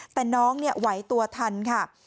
แต่น้องไหวตัวทันค่ะ